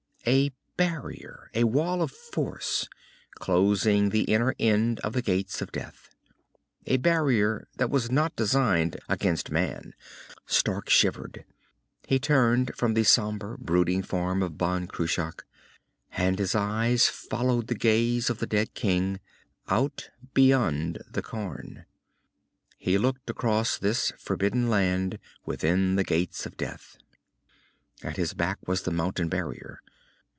A barrier, a wall of force, closing the inner end of the Gates of Death. A barrier that was not designed against man. Stark shivered. He turned from the sombre, brooding form of Ban Cruach and his eyes followed the gaze of the dead king, out beyond the cairn. He looked across this forbidden land within the Gates of Death. At his back was the mountain barrier.